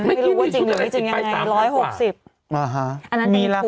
ไม่รู้ว่าจริงหรือไม่จริงยังไงร้อยหกสิบ